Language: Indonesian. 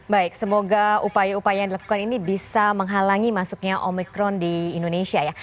baik semoga upaya upaya yang dilakukan ini bisa menghalangi masuknya omikron di indonesia ya